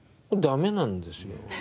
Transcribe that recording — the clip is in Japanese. ダメなんですよ。